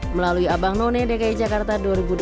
melalui abang none dki jakarta dua ribu dua puluh dua